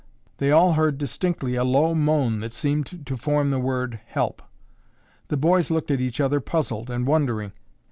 They all heard distinctly a low moan that seemed to form the word "Help." The boys looked at each other puzzled and wondering.